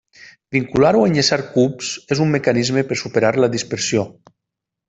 Vincular o enllaçar cubs és un mecanisme per superar la dispersió.